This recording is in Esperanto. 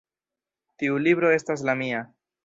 Tiu libro estas la mia